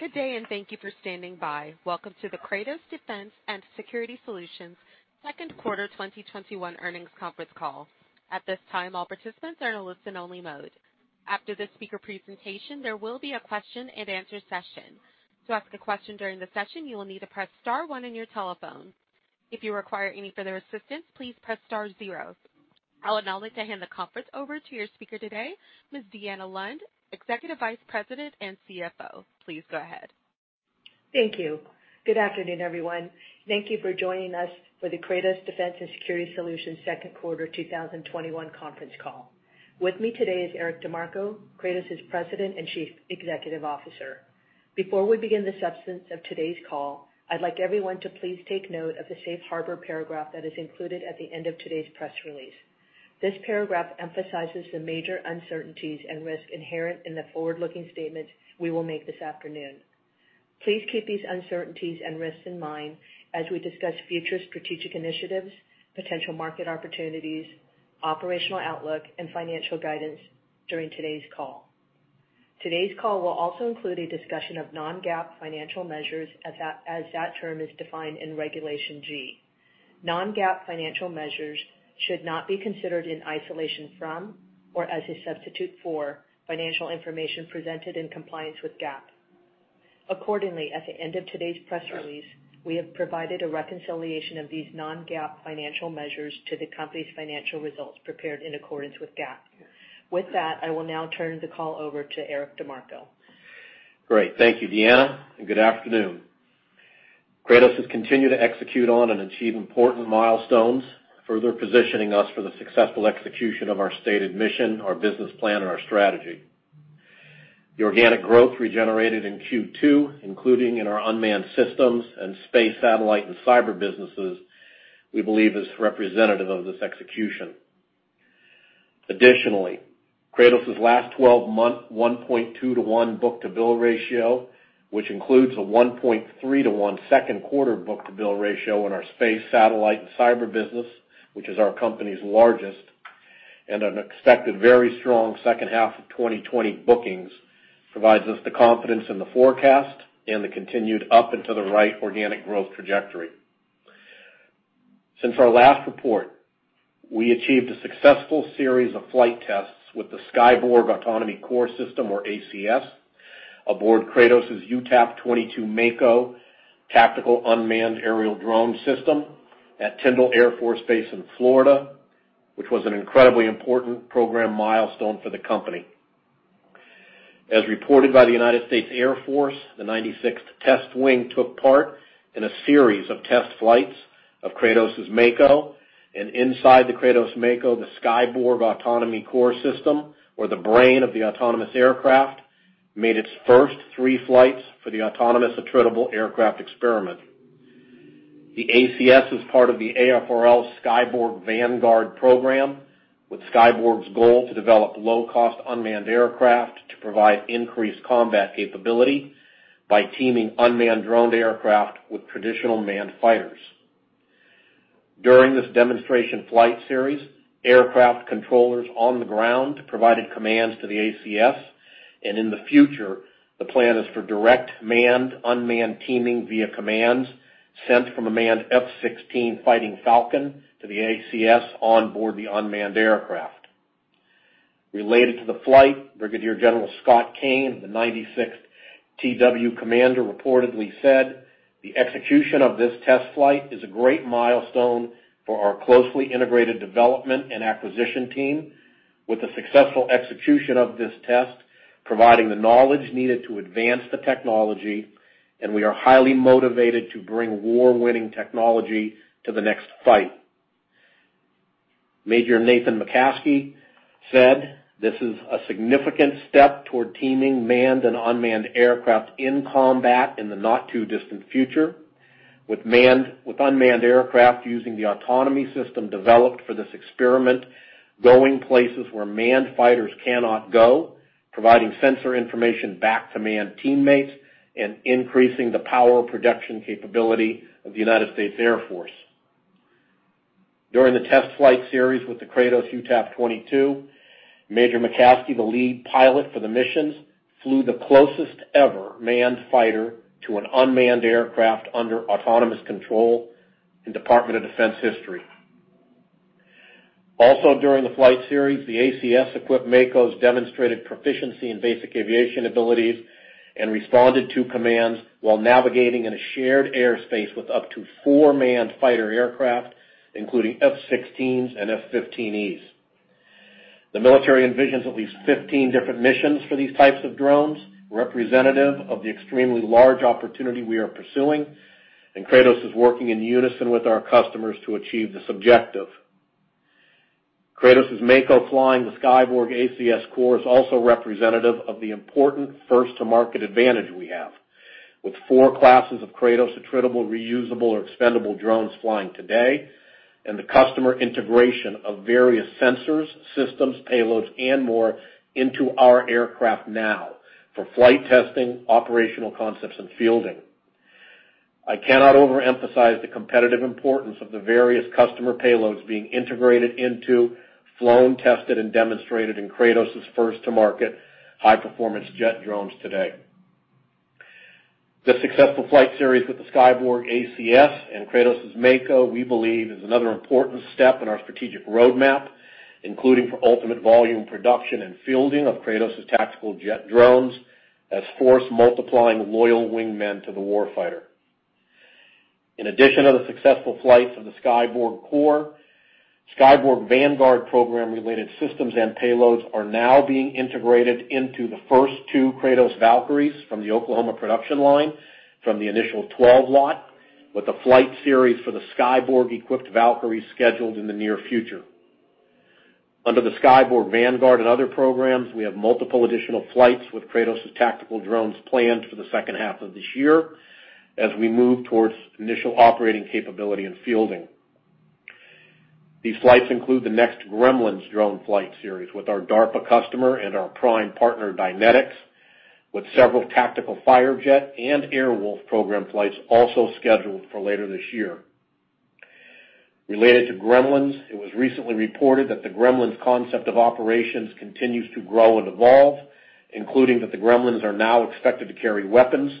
Good day, and thank you for standing by. Welcome to the Kratos Defense & Security Solutions second quarter 2021 earnings conference call. At this time, all participants are in a listen-only mode. After the speaker presentation, there will be a question-and-answer session. To ask a question during the session, you will need to press star one on your telephone. If you require any further assistance, please press star zero. I would now like to hand the conference over to your speaker today, Ms. Deanna Lund, Executive Vice President and CFO. Please go ahead. Thank you. Good afternoon, everyone. Thank you for joining us for the Kratos Defense & Security Solutions second quarter 2021 conference call. With me today is Eric DeMarco, Kratos's President and Chief Executive Officer. Before we begin the substance of today's call, I'd like everyone to please take note of the safe harbor paragraph that is included at the end of today's press release. This paragraph emphasizes the major uncertainties and risks inherent in the forward-looking statements we will make this afternoon. Please keep these uncertainties and risks in mind as we discuss future strategic initiatives, potential market opportunities, operational outlook, and financial guidance during today's call. Today's call will also include a discussion of non-GAAP financial measures as that term is defined in Regulation G. Non-GAAP financial measures should not be considered in isolation from, or as a substitute for, financial information presented in compliance with GAAP. Accordingly, at the end of today's press release, we have provided a reconciliation of these non-GAAP financial measures to the company's financial results prepared in accordance with GAAP. With that, I will now turn the call over to Eric DeMarco. Great. Thank you, Deanna, and good afternoon. Kratos has continued to execute on and achieve important milestones, further positioning us for the successful execution of our stated mission, our business plan, and our strategy. The organic growth regenerated in Q2, including in our unmanned systems and space satellite and cyber businesses, we believe is representative of this execution. Additionally, Kratos's last 12-month 1.2:1 book-to-bill ratio, which includes a 1.3:1 second quarter book-to-bill ratio in our space satellite and cyber business, which is our company's largest, and an expected very strong second half of 2020 bookings, provides us the confidence in the forecast and the continued up and to the right organic growth trajectory. Since our last report, we achieved a successful series of flight tests with the Skyborg autonomy core system or ACS aboard Kratos' UTAP-22 Mako tactical unmanned aerial drone system at Tyndall Air Force Base in Florida, which was an incredibly important program milestone for the company. As reported by the United States Air Force, the 96th Test Wing took part in a series of test flights of Kratos' Mako and inside the Kratos Mako, the Skyborg autonomy core system, or the brain of the autonomous aircraft, made its first three flights for the Autonomous Attritable Aircraft Experiment. The ACS is part of the AFRL Skyborg Vanguard program, with Skyborg's goal to develop low-cost unmanned aircraft to provide increased combat capability by teaming unmanned droned aircraft with traditional manned fighters. During this demonstration flight series, aircraft controllers on the ground provided commands to the ACS, and in the future, the plan is for direct manned-unmanned teaming via commands sent from a manned F-16 Fighting Falcon to the ACS on board the unmanned aircraft. Related to the flight, Brigadier General Scott Cain, the 96th TW Commander, reportedly said, "The execution of this test flight is a great milestone for our closely integrated development and acquisition team. With the successful execution of this test, providing the knowledge needed to advance the technology, and we are highly motivated to bring war-winning technology to the next fight." Major Nathan McCaskey said, "This is a significant step toward teaming manned and unmanned aircraft in combat in the not too distant future. With unmanned aircraft using the autonomy system developed for this experiment, going places where manned fighters cannot go, providing sensor information back to manned teammates, and increasing the power projection capability of the United States Air Force. During the test flight series with the Kratos UTAP-22, Major McCaskey, the lead pilot for the missions, flew the closest ever manned fighter to an unmanned aircraft under autonomous control in Department of Defense history. Also, during the flight series, the ACS-equipped Mako's demonstrated proficiency in basic aviation abilities and responded to commands while navigating in a shared airspace with up to four manned fighter aircraft, including F-16s and F-15Es. The military envisions at least 15 different missions for these types of drones, representative of the extremely large opportunity we are pursuing, and Kratos is working in unison with our customers to achieve this objective. Kratos' Mako flying the Skyborg ACS core is also representative of the important first-to-market advantage we have. With four classes of Kratos attritable, reusable, or expendable drones flying today, and the customer integration of various sensors, systems, payloads, and more into our aircraft now for flight testing, operational concepts, and fielding. I cannot overemphasize the competitive importance of the various customer payloads being integrated into, flown, tested, and demonstrated in Kratos' first-to-market high performance jet drones today. The successful flight series with the Skyborg ACS and Kratos' Mako, we believe is another important step in our strategic roadmap, including for ultimate volume production and fielding of Kratos' tactical jet drones as force multiplying loyal wingmen to the warfighter. In addition to the successful flights of the Skyborg Core, Skyborg Vanguard program related systems and payloads are now being integrated into the first two Kratos Valkyries from the Oklahoma production line from the initial 12 lot, with the flight series for the Skyborg-equipped Valkyrie scheduled in the near future. Under the Skyborg Vanguard and other programs, we have multiple additional flights with Kratos' tactical drones planned for the second half of this year as we move towards initial operating capability and fielding. These flights include the next Gremlins drone flight series with our DARPA customer and our prime partner, Dynetics, with several tactical Firejet and Air Wolf program flights also scheduled for later this year. Related to Gremlins, it was recently reported that the Gremlins concept of operations continues to grow and evolve, including that the Gremlins are now expected to carry weapons,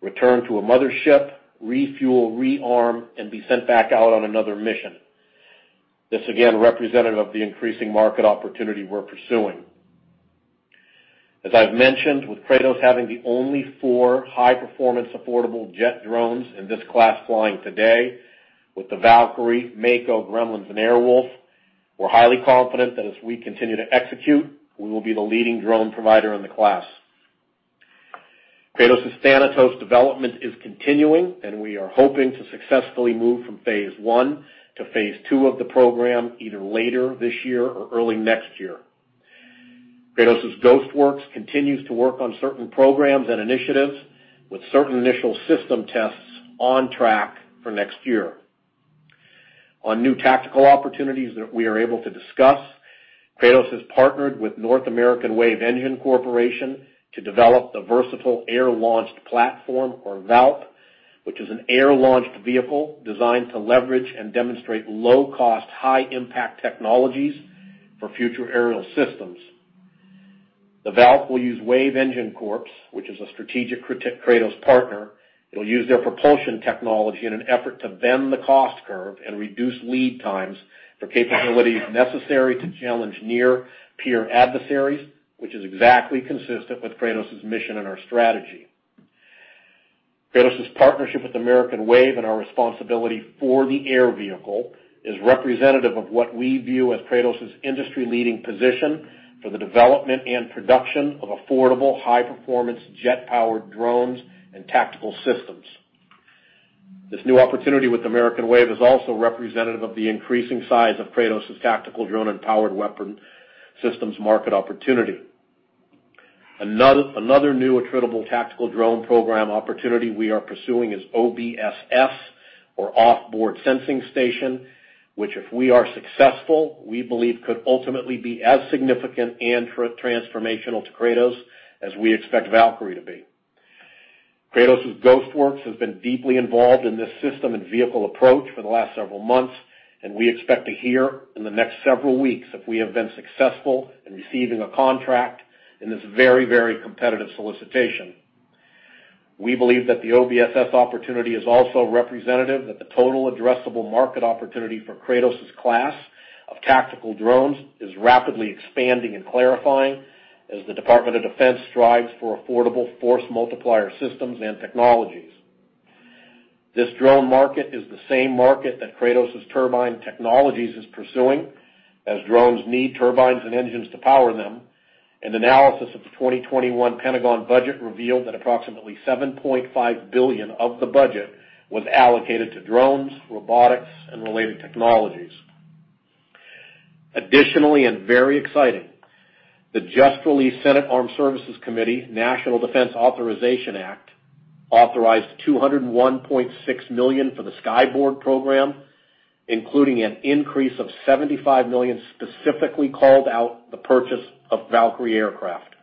return to a mothership, refuel, rearm, and be sent back out on another mission. This again, representative of the increasing market opportunity we're pursuing. As I've mentioned, with Kratos having the only four high performance, affordable jet drones in this class flying today with the Valkyrie, Mako, Gremlins, and Air Wolf, we're highly confident that as we continue to execute, we will be the leading drone provider in the class. Kratos' Thanatos development is continuing, and we are hoping to successfully move from phase I to phase II of the program either later this year or early next year. Kratos' Ghost Works continues to work on certain programs and initiatives with certain initial system tests on track for next year. On new tactical opportunities that we are able to discuss, Kratos has partnered with North American Wave Engine Corporation to develop the Versatile Air-Launched Platform, or VALP, which is an air-launched vehicle designed to leverage and demonstrate low-cost, high-impact technologies for future aerial systems. The VALP will use Wave Engine Corp., which is a strategic Kratos partner. It'll use their propulsion technology in an effort to bend the cost curve and reduce lead times for capabilities necessary to challenge near peer adversaries, which is exactly consistent with Kratos' mission and our strategy. Kratos' partnership with American Wave and our responsibility for the air vehicle is representative of what we view as Kratos' industry-leading position for the development and production of affordable, high-performance, jet-powered drones and tactical systems. This new opportunity with American Wave is also representative of the increasing size of Kratos' tactical drone and powered weapon systems market opportunity. Another new attritable tactical drone program opportunity we are pursuing is OBSS or Off Board Sensing Station, which if we are successful, we believe could ultimately be as significant and transformational to Kratos as we expect Valkyrie to be. Kratos' Ghost Works has been deeply involved in this system and vehicle approach for the last several months, and we expect to hear in the next several weeks if we have been successful in receiving a contract in this very, very competitive solicitation. We believe that the OBSS opportunity is also representative that the total addressable market opportunity for Kratos' class of tactical drones is rapidly expanding and clarifying as the Department of Defense strives for affordable force multiplier systems and technologies. This drone market is the same market that Kratos Turbine Technologies is pursuing, as drones need turbines and engines to power them, and analysis of the 2021 Pentagon budget revealed that approximately $7.5 billion of the budget was allocated to drones, robotics, and related technologies. Additionally, and very exciting, the just released Senate Armed Services Committee, National Defense Authorization Act, authorized $201.6 million for the Skyborg program, including an increase of $75 million, specifically called out the purchase of Valkyrie aircraft.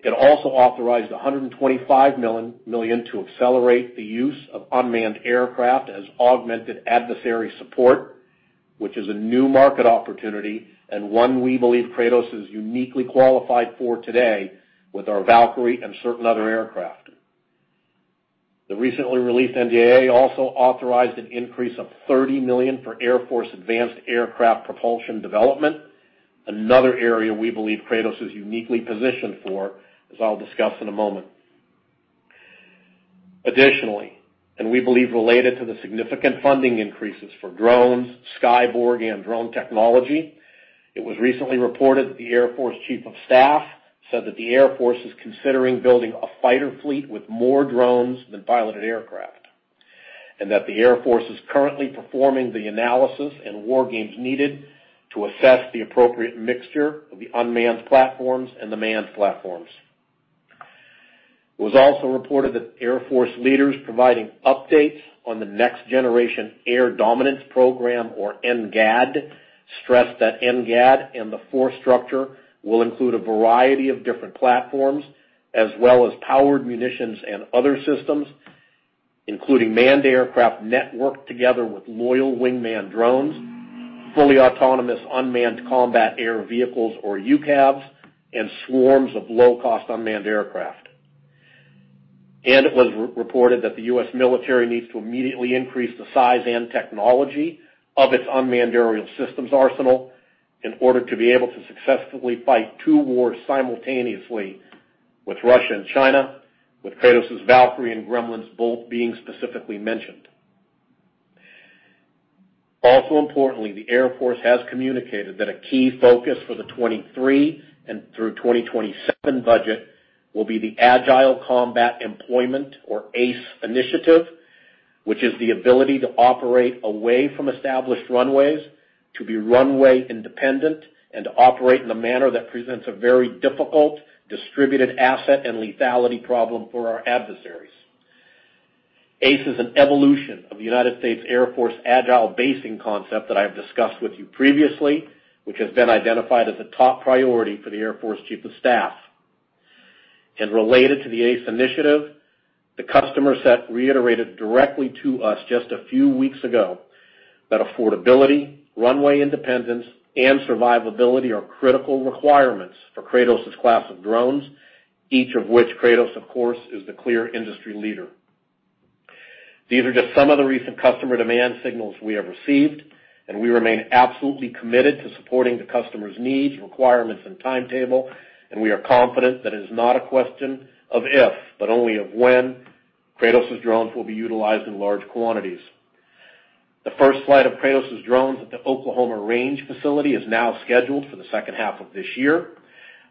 It also authorized $125 million to accelerate the use of unmanned aircraft as augmented adversary support, which is a new market opportunity and one we believe Kratos is uniquely qualified for today with our Valkyrie and certain other aircraft. The recently released NDAA also authorized an increase of $30 million for Air Force advanced aircraft propulsion development, another area we believe Kratos is uniquely positioned for, as I'll discuss in a moment. Additionally, we believe related to the significant funding increases for drones, Skyborg, and drone technology, it was recently reported that the Air Force Chief of Staff said that the Air Force is considering building a fighter fleet with more drones than piloted aircraft, and that the Air Force is currently performing the analysis and wargames needed to assess the appropriate mixture of the unmanned platforms and the manned platforms. It was also reported that Air Force leaders providing updates on the Next Generation Air Dominance program or NGAD stressed that NGAD and the force structure will include a variety of different platforms as well as powered munitions and other systems, including manned aircraft networked together with loyal wingman drones, fully autonomous unmanned combat air vehicles or UCAVs, and swarms of low-cost unmanned aircraft. It was reported that the U.S. military needs to immediately increase the size and technology of its unmanned aerial systems arsenal in order to be able to successfully fight two wars simultaneously with Russia and China, with Kratos' Valkyrie and Gremlins both being specifically mentioned. Also importantly, the Air Force has communicated that a key focus for the 2023 and through 2027 budget will be the Agile Combat Employment, or ACE initiative, which is the ability to operate away from established runways, to be runway independent, and to operate in a manner that presents a very difficult distributed asset and lethality problem for our adversaries. ACE is an evolution of United States Air Force agile basing concept that I've discussed with you previously, which has been identified as a top priority for the Air Force Chief of Staff. Related to the ACE initiative, the customer set reiterated directly to us just a few weeks ago that affordability, runway independence, and survivability are critical requirements for Kratos' class of drones, each of which Kratos, of course, is the clear industry leader. These are just some of the recent customer demand signals we have received, and we remain absolutely committed to supporting the customer's needs, requirements, and timetable, and we are confident that it is not a question of if but only of when Kratos' drones will be utilized in large quantities. The first flight of Kratos' drones at the Oklahoma Range facility is now scheduled for the second half of this year.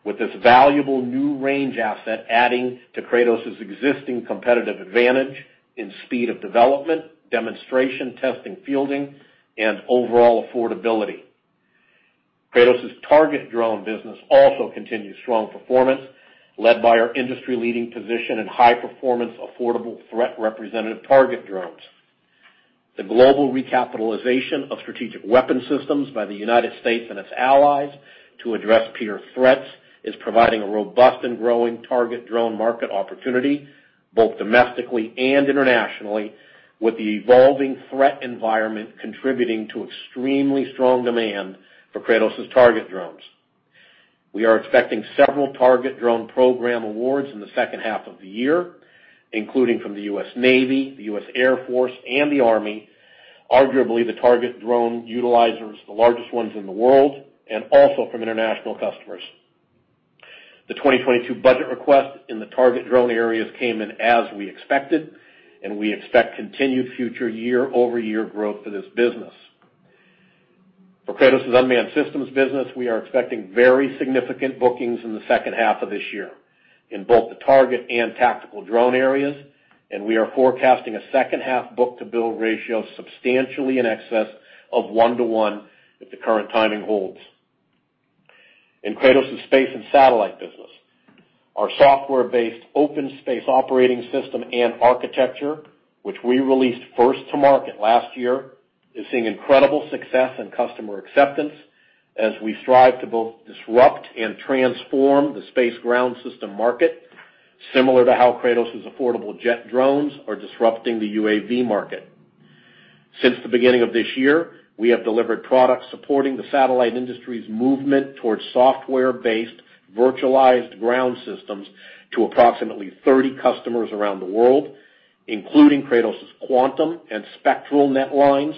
With this valuable new range asset adding to Kratos' existing competitive advantage in speed of development, demonstration, testing, fielding, and overall affordability. Kratos' target drone business also continues strong performance, led by our industry-leading position in high-performance, affordable, threat-representative target drones. The global recapitalization of strategic weapon systems by the United States and its allies to address peer threats is providing a robust and growing target drone market opportunity, both domestically and internationally, with the evolving threat environment contributing to extremely strong demand for Kratos' target drones. We are expecting several target drone program awards in the second half of the year, including from the U.S. Navy, the U.S. Air Force, and the Army, arguably the target drone utilizers, the largest ones in the world, and also from international customers. The 2022 budget request in the target drone areas came in as we expected, and we expect continued future year-over-year growth for this business. For Kratos' unmanned systems business, we are expecting very significant bookings in the second half of this year in both the target and tactical drone areas, and we are forecasting a second half book-to-bill ratio substantially in excess of 1:1 if the current timing holds. In Kratos' space and satellite business, our software-based OpenSpace operating system and architecture, which we released first to market last year, is seeing incredible success and customer acceptance as we strive to both disrupt and transform the space ground system market, similar to how Kratos' affordable jet drones are disrupting the UAV market. Since the beginning of this year, we have delivered products supporting the satellite industry's movement towards software-based virtualized ground systems to approximately 30 customers around the world, including Kratos' quantum and SpectralNet lines,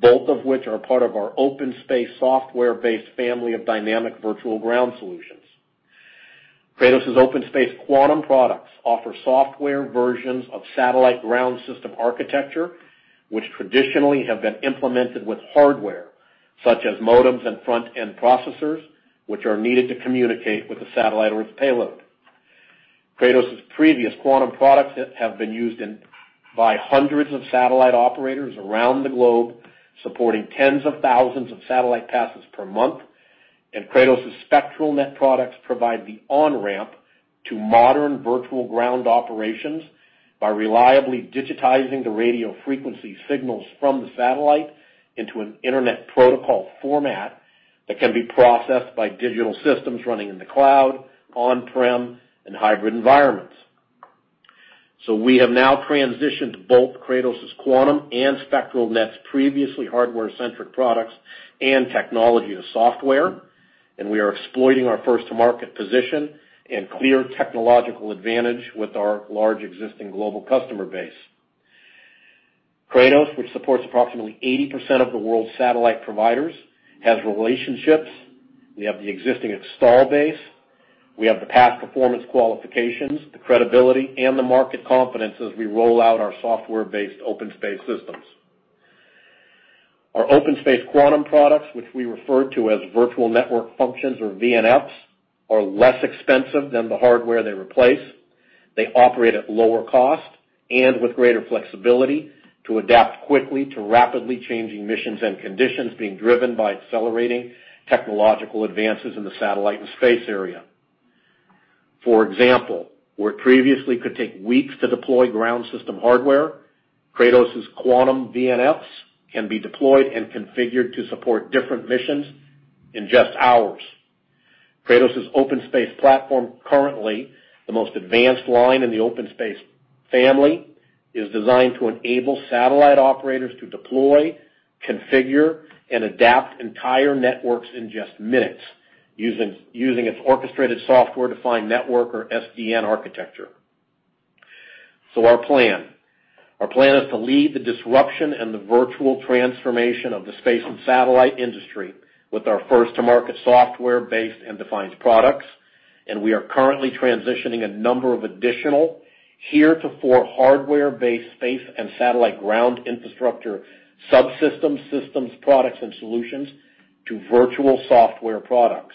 both of which are part of our OpenSpace software-based family of dynamic virtual ground solutions. Kratos' OpenSpace quantum products offer software versions of satellite ground system architecture, which traditionally have been implemented with hardware such as modems and front-end processors, which are needed to communicate with the satellite or its payload. Kratos' previous quantum products have been used by hundreds of satellite operators around the globe, supporting tens of thousands of satellite passes per month, and Kratos' SpectralNet products provide the on-ramp to modern virtual ground operations by reliably digitizing the radio frequency signals from the satellite into an internet protocol format that can be processed by digital systems running in the cloud, on-prem, and hybrid environments. We have now transitioned both Kratos' quantum and SpectralNet's previously hardware-centric products and technology to software, and we are exploiting our first-to-market position and clear technological advantage with our large existing global customer base. Kratos, which supports approximately 80% of the world's satellite providers, has relationships. We have the existing install base. We have the past performance qualifications, the credibility, and the market confidence as we roll out our software-based OpenSpace systems. Our OpenSpace quantum products, which we refer to as virtual network functions or VNFs, are less expensive than the hardware they replace. They operate at lower cost and with greater flexibility to adapt quickly to rapidly changing missions and conditions being driven by accelerating technological advances in the satellite and space area. For example, where previously could take weeks to deploy ground system hardware, Kratos' quantum VNFs can be deployed and configured to support different missions in just hours. Kratos' OpenSpace platform, currently the most advanced line in the OpenSpace family, is designed to enable satellite operators to deploy, configure, and adapt entire networks in just minutes using its orchestrated software-defined network or SDN architecture. Our plan. Our plan is to lead the disruption and the virtual transformation of the space and satellite industry with our first-to-market software-based and defined products, and we are currently transitioning a number of additional heretofore hardware-based space and satellite ground infrastructure subsystems, systems, products, and solutions to virtual software products.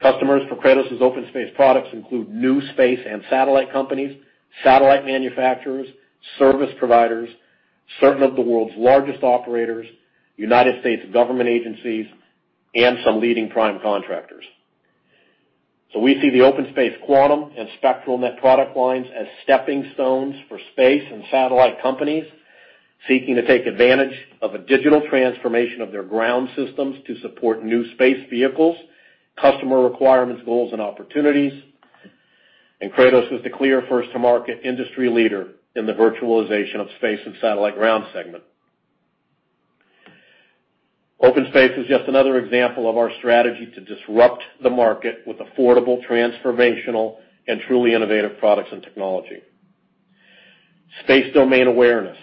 Customers for Kratos' OpenSpace products include new space and satellite companies, satellite manufacturers, service providers, certain of the world's largest operators, United States government agencies, and some leading prime contractors. We see the OpenSpace quantum and SpectralNet product lines as stepping stones for space and satellite companies seeking to take advantage of a digital transformation of their ground systems to support new space vehicles, customer requirements, goals, and opportunities. Kratos is the clear first-to-market industry leader in the virtualization of space and satellite ground segment. OpenSpace is just another example of our strategy to disrupt the market with affordable, transformational, and truly innovative products and technology. Space domain awareness,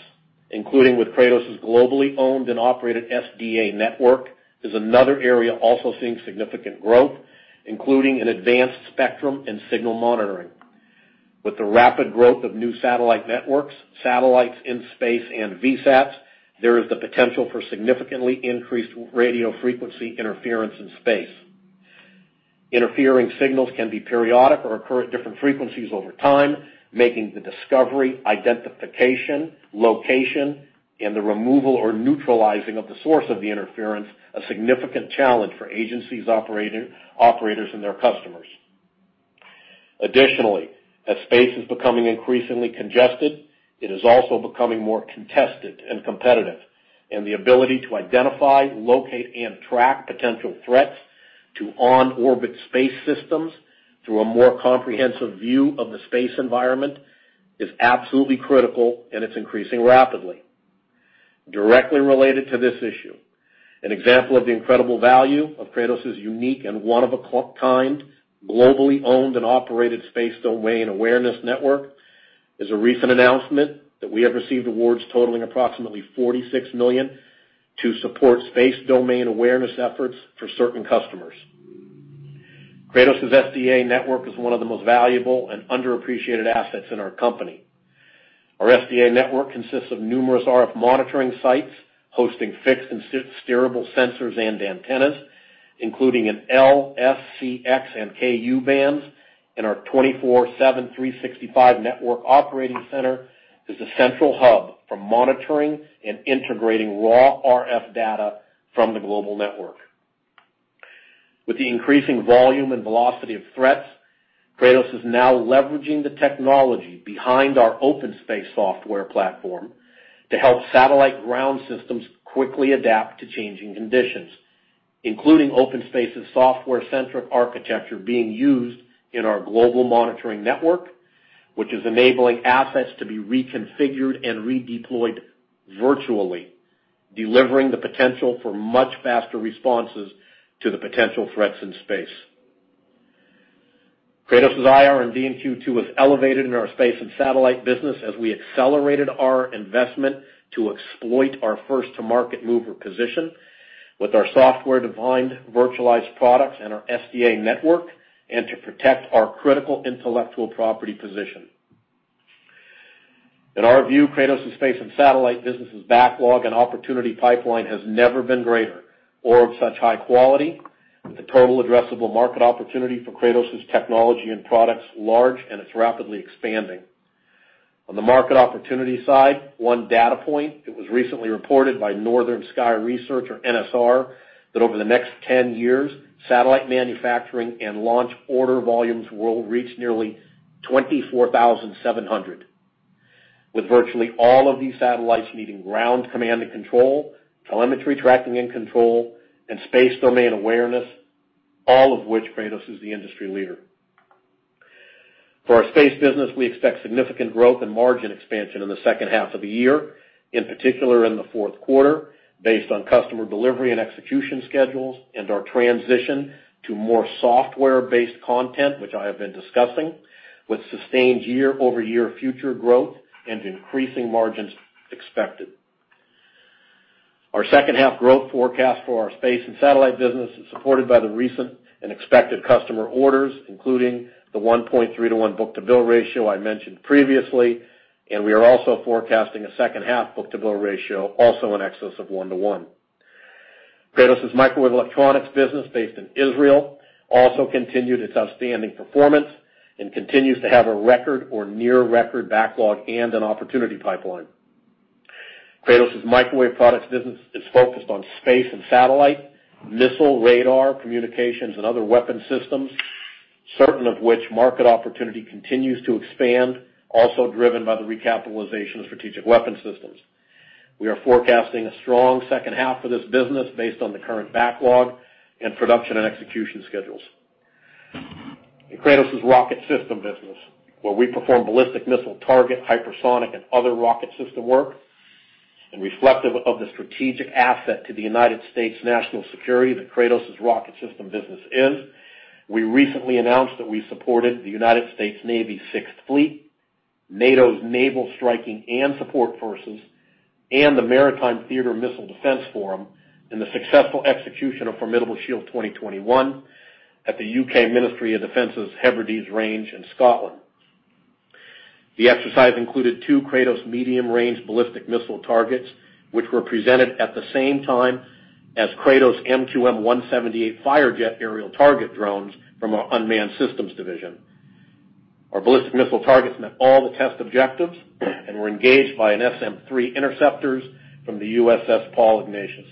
including with Kratos' globally owned and operated SDA network, is another area also seeing significant growth, including in advanced spectrum and signal monitoring. With the rapid growth of new satellite networks, satellites in space and VSATs, there is the potential for significantly increased radio frequency interference in space. Interfering signals can be periodic or occur at different frequencies over time, making the discovery, identification, location, and the removal or neutralizing of the source of the interference a significant challenge for agencies, operators, and their customers. Additionally, as space is becoming increasingly congested, it is also becoming more contested and competitive, and the ability to identify, locate, and track potential threats to on-orbit space systems through a more comprehensive view of the space environment is absolutely critical, and it's increasing rapidly. Directly related to this issue, an example of the incredible value of Kratos' unique and one-of-a-kind, globally owned and operated Space Domain Awareness network is a recent announcement that we have received awards totaling approximately $46 million to support space domain awareness efforts for certain customers. Kratos' SDA network is one of the most valuable and underappreciated assets in our company. Our SDA network consists of numerous RF monitoring sites hosting fixed and steerable sensors and antennas, including in L, S, C, X, and Ku bands. Our 24/7/365 network operating center is the central hub for monitoring and integrating raw RF data from the global network. With the increasing volume and velocity of threats, Kratos is now leveraging the technology behind our OpenSpace software platform to help satellite ground systems quickly adapt to changing conditions, including OpenSpace's software-centric architecture being used in our global monitoring network, enabling assets to be reconfigured and redeployed virtually, delivering the potential for much faster responses to the potential threats in space. Kratos' R&D in Q2 was elevated in our space and satellite business as we accelerated our investment to exploit our first-to-market mover position with our software-defined virtualized products and our SDA network and to protect our critical intellectual property position. In our view, Kratos' space and satellite business' backlog and opportunity pipeline has never been greater or of such high quality, with the total addressable market opportunity for Kratos' technology and products large, and it's rapidly expanding. On the market opportunity side, one data point that was recently reported by Northern Sky Research, or NSR, that over the next 10 years, satellite manufacturing and launch order volumes will reach nearly 24,700. With virtually all of these satellites needing ground command and control, telemetry tracking and control, and space domain awareness, all of which Kratos is the industry leader. For our space business, we expect significant growth and margin expansion in the second half of the year, in particular in the fourth quarter, based on customer delivery and execution schedules and our transition to more software-based content, which I have been discussing, with sustained year-over-year future growth and increasing margins expected. Our second half growth forecast for our space and satellite business is supported by the recent and expected customer orders, including the 1.3:1 book-to-bill ratio I mentioned previously. We are also forecasting a second half book-to-bill ratio also in excess of 1:1. Kratos' microwave electronics business based in Israel also continued its outstanding performance and continues to have a record or near-record backlog and an opportunity pipeline. Kratos' microwave products business is focused on space and satellite, missile, radar, communications, and other weapon systems, certain of which market opportunity continues to expand, also driven by the recapitalization of strategic weapon systems. We are forecasting a strong second half for this business based on the current backlog in production and execution schedules. In Kratos' rocket system business, where we perform ballistic missile target, hypersonic, and other rocket system work, and reflective of the strategic asset to the United States national security that Kratos' rocket system business is, we recently announced that we supported the United States Navy Sixth Fleet, NATO's naval striking and support forces, and the Maritime Theater Missile Defense Forum in the successful execution of Formidable Shield 2021 at the U.K. Ministry of Defence's Hebrides Range in Scotland. The exercise included two Kratos medium-range ballistic missile targets, which were presented at the same time as Kratos' MQM-178 Firejet aerial target drones from our unmanned systems division. Our ballistic missile targets met all the test objectives and were engaged by SM-3 interceptors from the USS Paul Ignatius.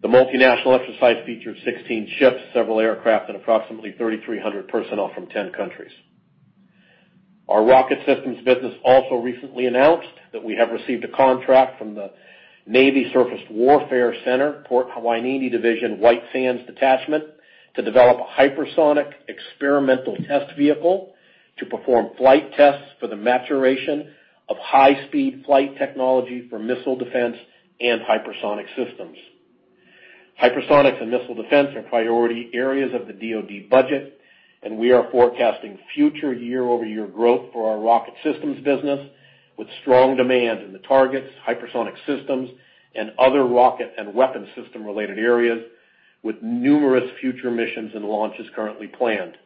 The multinational exercise featured 16 ships, several aircraft, and approximately 3,300 personnel from 10 countries. Our rocket systems business also recently announced that we have received a contract from the Naval Surface Warfare Center, Port Hueneme Division, White Sands Detachment to develop a hypersonic experimental test vehicle to perform flight tests for the maturation of high-speed flight technology for missile defense and hypersonic systems. Hypersonics and missile defense are priority areas of the DoD budget, and we are forecasting future year-over-year growth for our rocket systems business, with strong demand in the targets, hypersonic systems, and other rocket and weapon system-related areas, with numerous future missions and launches currently planned.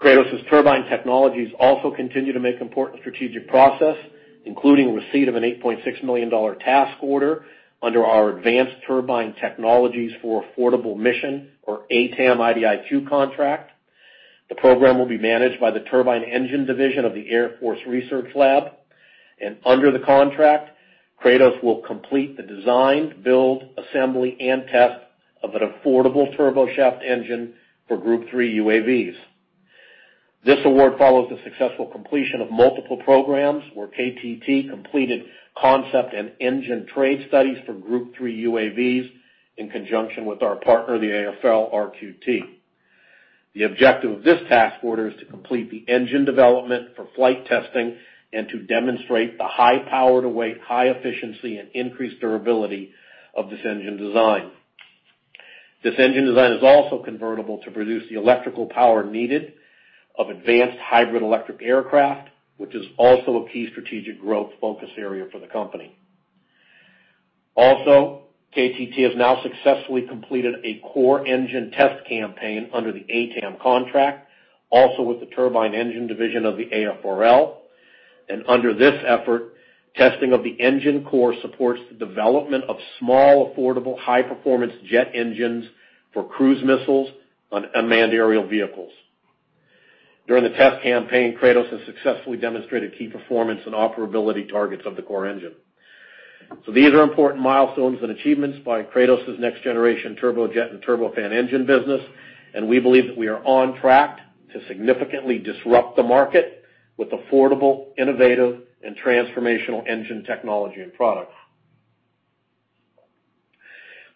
Kratos Turbine Technologies also continue to make important strategic progress, including receipt of an $8.6 million task order under our Advanced Turbine Technologies for Affordable Mission, or ATTAM IDIQ contract. The program will be managed by the turbine engine division of the Air Force Research Laboratory. Under the contract, Kratos will complete the design, build, assembly, and test of an affordable turboshaft engine for Group 3 UAVs. This award follows the successful completion of multiple programs where KTT completed concept and engine trade studies for Group 3 UAVs in conjunction with our partner, the AFRL/RQT. The objective of this task order is to complete the engine development for flight testing and to demonstrate the high power-to-weight, high efficiency, and increased durability of this engine design. This engine design is also convertible to produce the electrical power needed of advanced hybrid electric aircraft, which is also a key strategic growth focus area for the company. KTT has now successfully completed a core engine test campaign under the ATTAM contract, also with the turbine engine division of the AFRL. Under this effort, testing of the engine core supports the development of small, affordable, high-performance jet engines for cruise missiles on unmanned aerial vehicles. During the test campaign, Kratos has successfully demonstrated key performance and operability targets of the core engine. These are important milestones and achievements by Kratos' next-generation turbojet and turbofan engine business, and we believe that we are on track to significantly disrupt the market with affordable, innovative, and transformational engine technology and products.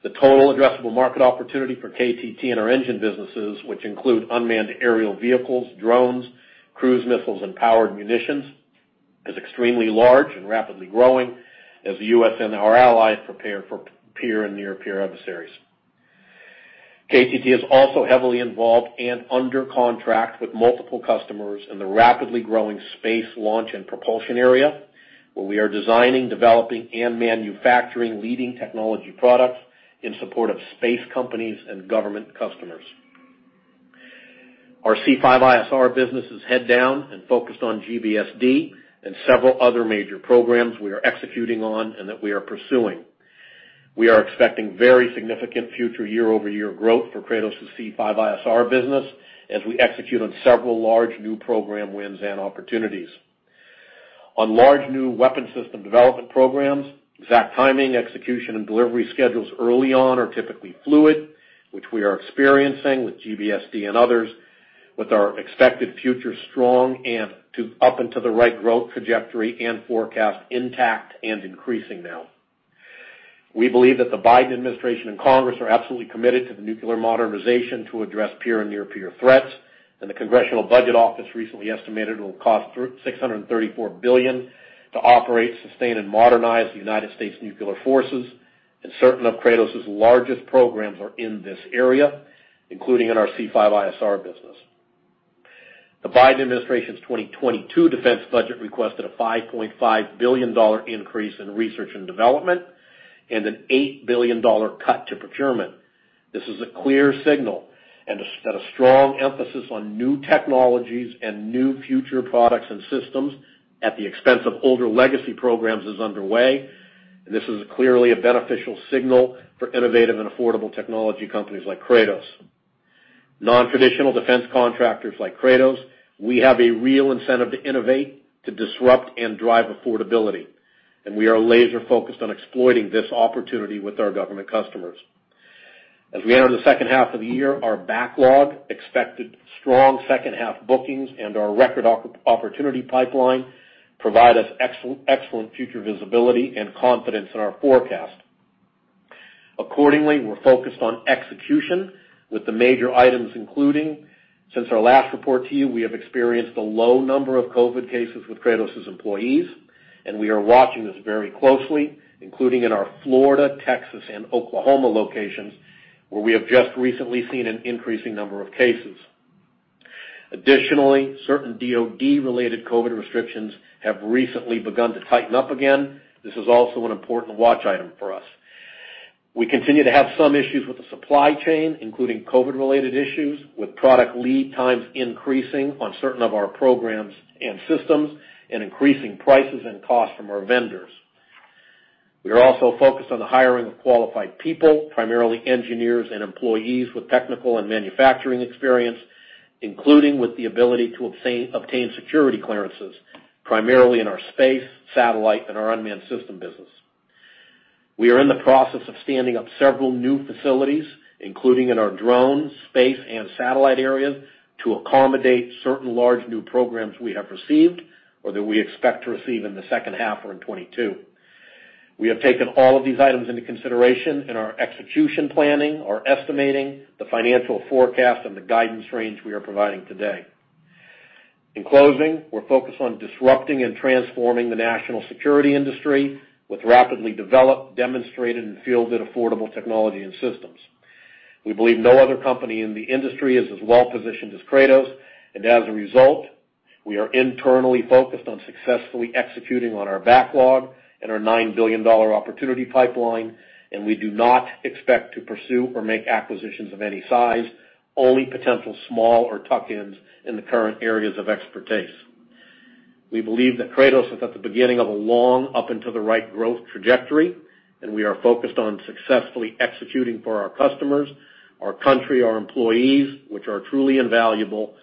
The total addressable market opportunity for KTT and our engine businesses, which include unmanned aerial vehicles, drones, cruise missiles, and powered munitions, is extremely large and rapidly growing as the U.S. and our allies prepare for peer and near-peer adversaries. KTT is also heavily involved and under contract with multiple customers in the rapidly growing space launch and propulsion area, where we are designing, developing, and manufacturing leading technology products in support of space companies and government customers. Our C5ISR business is head down and focused on GBSD and several other major programs we are executing on and that we are pursuing. We are expecting very significant future year-over-year growth for Kratos' C5ISR business as we execute on several large new program wins and opportunities. On large new weapon system development programs, exact timing, execution, and delivery schedules early on are typically fluid, which we are experiencing with GBSD and others, with our expected future strong and up into the right growth trajectory and forecast intact and increasing now. We believe that the Biden administration and Congress are absolutely committed to the nuclear modernization to address peer and near-peer threats, and the Congressional Budget Office recently estimated it will cost $634 billion to operate, sustain, and modernize the United States' nuclear forces, and certain of Kratos' largest programs are in this area, including in our C5ISR business. The Biden administration's 2022 defense budget requested a $5.5 billion increase in research and development and an $8 billion cut to procurement. This is a clear signal and a strong emphasis on new technologies and new future products and systems at the expense of older legacy programs is underway. This is clearly a beneficial signal for innovative and affordable technology companies like Kratos. Nontraditional defense contractors like Kratos, we have a real incentive to innovate, to disrupt, and drive affordability, and we are laser-focused on exploiting this opportunity with our government customers. As we enter the second half of the year, our backlog, expected strong second half bookings, and our record opportunity pipeline provide us excellent future visibility and confidence in our forecast. Accordingly, we're focused on execution with the major items including, since our last report to you, we have experienced a low number of COVID cases with Kratos' employees, and we are watching this very closely, including in our Florida, Texas, and Oklahoma locations, where we have just recently seen an increasing number of cases. Additionally, certain DoD-related COVID restrictions have recently begun to tighten up again. This is also an important watch item for us. We continue to have some issues with the supply chain, including COVID-related issues, with product lead times increasing on certain of our programs and systems and increasing prices and costs from our vendors. We are also focused on the hiring of qualified people, primarily engineers and employees with technical and manufacturing experience, including with the ability to obtain security clearances, primarily in our space, satellite, and our unmanned system business. We are in the process of standing up several new facilities, including in our drone, space, and satellite areas, to accommodate certain large new programs we have received or that we expect to receive in the second half or in 2022. We have taken all of these items into consideration in our execution planning or estimating the financial forecast and the guidance range we are providing today. In closing, we're focused on disrupting and transforming the national security industry with rapidly developed, demonstrated, and fielded affordable technology and systems. We believe no other company in the industry is as well-positioned as Kratos, and as a result, we are internally focused on successfully executing on our backlog and our $9 billion opportunity pipeline, and we do not expect to pursue or make acquisitions of any size, only potential small or tuck-ins in the current areas of expertise. We believe that Kratos is at the beginning of a long up and to the right growth trajectory, and we are focused on successfully executing for our customers, our country, our employees, which are truly invaluable,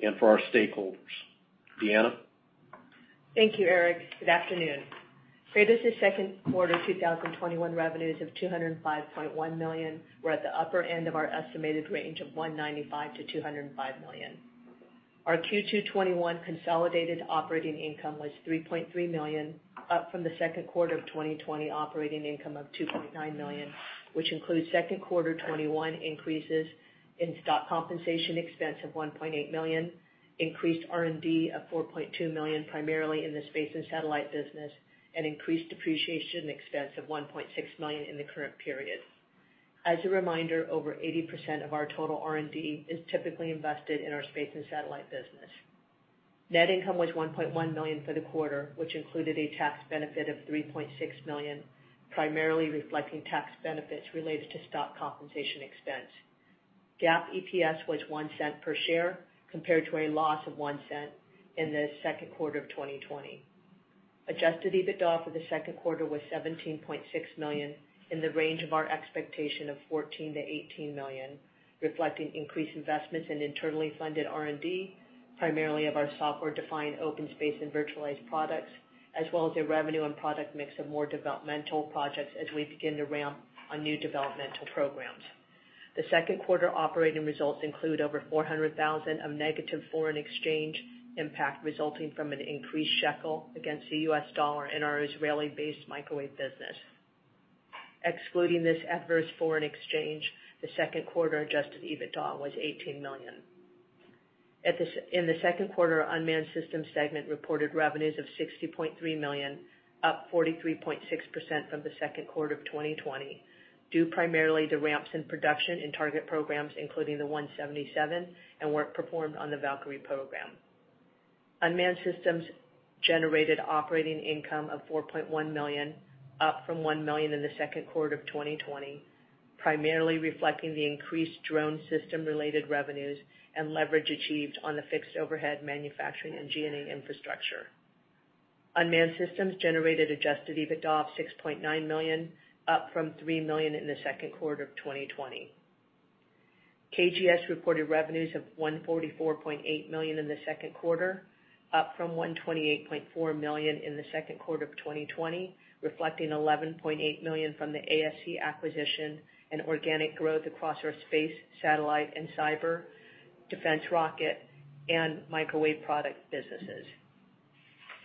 and for our stakeholders. Deanna? Thank you, Eric. Good afternoon. Kratos' second quarter 2021 revenues of $205.1 million were at the upper end of our estimated range of $195 million-$205 million. Our Q2 '21 consolidated operating income was $3.3 million, up from the second quarter of 2020 operating income of $2.9 million, which includes second quarter 2021 increases in stock compensation expense of $1.8 million, increased R&D of $4.2 million, primarily in the space and satellite business, and increased depreciation expense of $1.6 million in the current period. As a reminder, over 80% of our total R&D is typically invested in our space and satellite business. Net income was $1.1 million for the quarter, which included a tax benefit of $3.6 million, primarily reflecting tax benefits related to stock compensation expense. GAAP EPS was $0.01 per share, compared to a loss of $0.01 in the second quarter of 2020. Adjusted EBITDA for the second quarter was $17.6 million in the range of our expectation of $14 million-$18 million, reflecting increased investments in internally funded R&D, primarily of our software-defined OpenSpace and virtualized products, as well as a revenue and product mix of more developmental projects as we begin to ramp on new developmental programs. The second quarter operating results include over $400,000 of negative foreign exchange impact resulting from an increased shekel against the US dollar in our Israeli-based microwave business. Excluding this adverse foreign exchange, the second quarter adjusted EBITDA was $18 million. In the second quarter, our unmanned systems segment reported revenues of $60.3 million, up 43.6% from the second quarter of 2020, due primarily to ramps in production in target programs, including the 177 and work performed on the Valkyrie program. Unmanned systems generated operating income of $4.1 million, up from $1 million in the second quarter of 2020, primarily reflecting the increased drone system-related revenues and leverage achieved on the fixed overhead manufacturing and G&A infrastructure. Unmanned systems generated adjusted EBITDA of $6.9 million, up from $3 million in the second quarter of 2020. KGS reported revenues of $144.8 million in the second quarter, up from $128.4 million in the second quarter of 2020, reflecting $11.8 million from the ASC acquisition and organic growth across our space, satellite, and cyber, defense rocket, and microwave product businesses.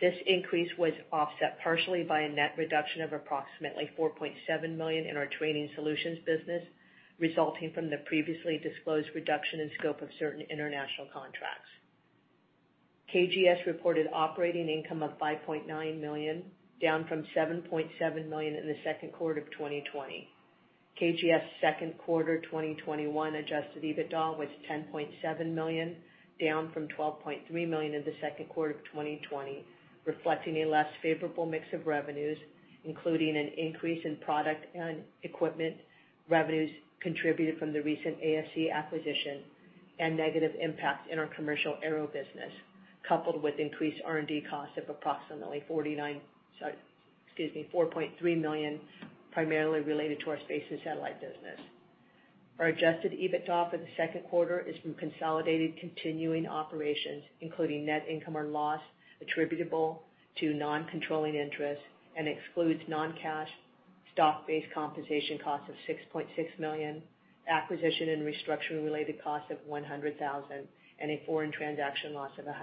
This increase was offset partially by a net reduction of approximately $4.7 million in our training solutions business, resulting from the previously disclosed reduction in scope of certain international contracts. KGS reported operating income of $5.9 million, down from $7.7 million in the second quarter of 2020. KGS second quarter 2021 adjusted EBITDA was $10.7 million, down from $12.3 million in the second quarter of 2020, reflecting a less favorable mix of revenues, including an increase in product and equipment revenues contributed from the recent ASC acquisition and negative impact in our commercial aero business, coupled with increased R&D costs of approximately $4.3 million, primarily related to our space and satellite business. Our adjusted EBITDA for the second quarter is from consolidated continuing operations, including net income or loss attributable to non-controlling interests, and excludes non-cash stock-based compensation costs of $6.6 million, acquisition and restructuring related costs of $100,000, and a foreign transaction loss of $100,000.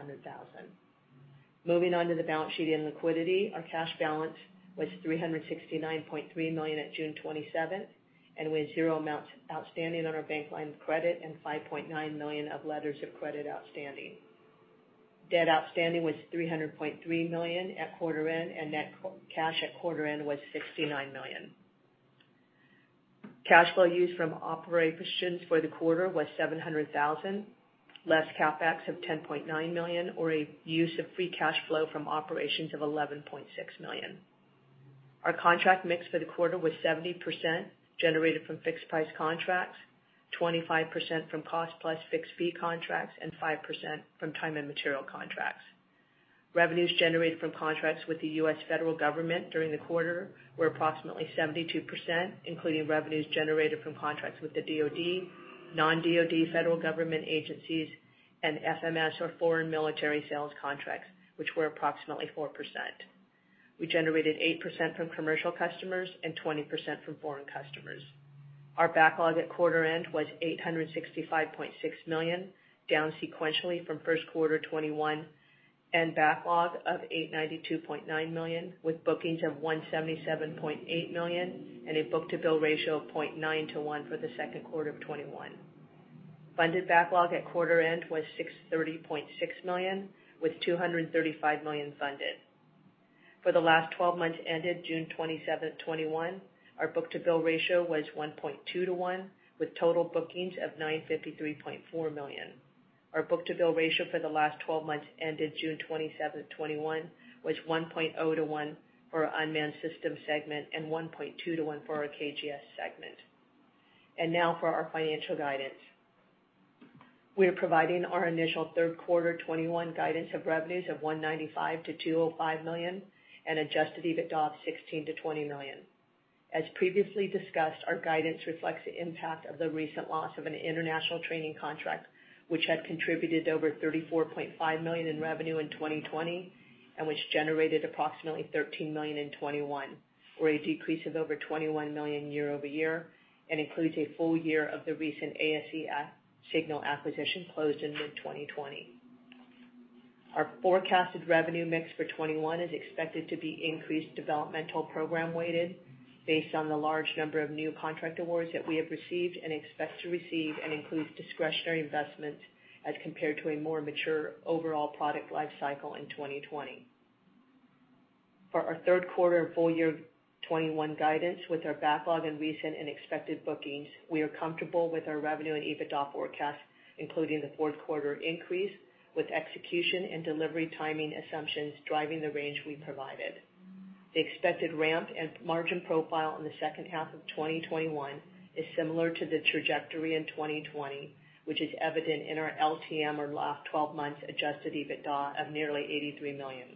Moving on to the balance sheet and liquidity. Our cash balance was $369.3 million at June 27th and we had zero amounts outstanding on our bank line of credit and $5.9 million of letters of credit outstanding. Debt outstanding was $300.3 million at quarter end, and net cash at quarter end was $69 million. Cash flow used from operations for the quarter was $700,000, less CapEx of $10.9 million, or a use of free cash flow from operations of $11.6 million. Our contract mix for the quarter was 70% generated from fixed-price contracts, 25% from cost-plus fixed-fee contracts, and 5% from time and material contracts. Revenues generated from contracts with the U.S. federal government during the quarter were approximately 72%, including revenues generated from contracts with the DoD, non-DoD federal government agencies, and FMS or foreign military sales contracts, which were approximately 4%. We generated 8% from commercial customers and 20% from foreign customers. Our backlog at quarter end was $865.6 million, down sequentially from first quarter 2021, end backlog of $892.9 million, with bookings of $177.8 million, and a book-to-bill ratio of 0.9:1 for the second quarter of 2021. Funded backlog at quarter end was $630.6 million, with $235 million funded. For the last 12 months ended June 27th, 2021, our book-to-bill ratio was 1.2:1, with total bookings of $953.4 million. Our book-to-bill ratio for the last 12 months ended June 27th, 2021 was 1.0:1 for our unmanned systems segment and 1.2:1 for our KGS segment. Now for our financial guidance. We are providing our initial third quarter 2021 guidance of revenues of $195 million-$205 million and adjusted EBITDA of $16 million-$20 million. As previously discussed, our guidance reflects the impact of the recent loss of an international training contract, which had contributed over $34.5 million in revenue in 2020 and which generated approximately $13 million in 2021, or a decrease of over $21 million year-over-year, and includes a full year of the recent ASC Signal acquisition closed in mid-2020. Our forecasted revenue mix for 2021 is expected to be increased developmental program weighted based on the large number of new contract awards that we have received and expect to receive, and includes discretionary investments as compared to a more mature overall product life cycle in 2020. For our third quarter and full year 2021 guidance with our backlog and recent and expected bookings, we are comfortable with our revenue and EBITDA forecast, including the fourth quarter increase with execution and delivery timing assumptions driving the range we provided. The expected ramp and margin profile in the second half of 2021 is similar to the trajectory in 2020, which is evident in our LTM or last 12 months adjusted EBITDA of nearly $83 million.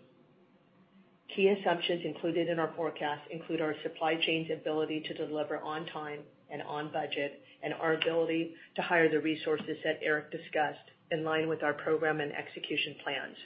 Key assumptions included in our forecast include our supply chain's ability to deliver on time and on budget, and our ability to hire the resources that Eric discussed in line with our program and execution plans.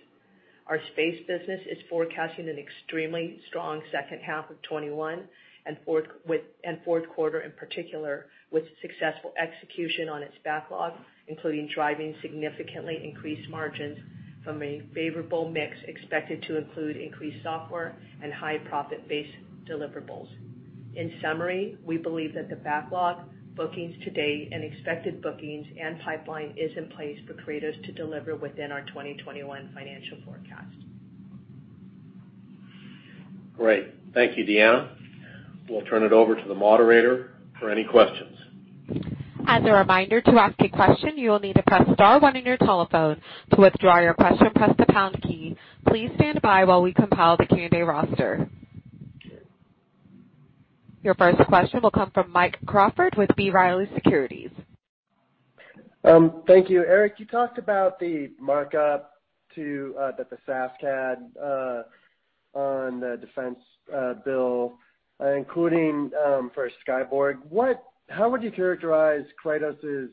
Our space business is forecasting an extremely strong second half of 2021 and fourth quarter in particular, with successful execution on its backlog, including driving significantly increased margins from a favorable mix expected to include increased software and high profit-based deliverables. In summary, we believe that the backlog, bookings to date, and expected bookings and pipeline is in place for Kratos to deliver within our 2021 financial forecast. Great. Thank you, Deanna. We'll turn it over to the moderator for any questions. As a reminder, to ask a question, you will need to press star one on your telephone. To withdraw your question, press the pound key. Please stand by while we compile the Q&A roster. Your first question will come from Mike Crawford with B. Riley Securities. Thank you. Eric, you talked about the markup that the SASC had on the defense bill, including for Skyborg. How would you characterize Kratos's